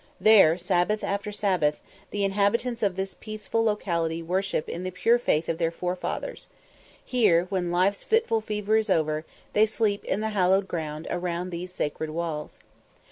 There, Sabbath after Sabbath, the inhabitants of this peaceful locality worship in the pure faith of their forefathers: here, when "life's fitful fever" is over, they sleep in the hallowed ground around these sacred walls.